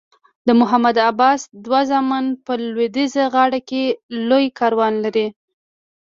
د محمود عباس دوه زامن په لویدیځه غاړه کې لوی کاروبار لري.